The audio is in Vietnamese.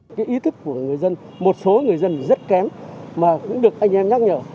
cái ý thức của người dân một số người dân rất kém mà cũng được anh em nhắc nhở